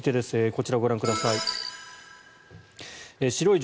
こちら、ご覧ください。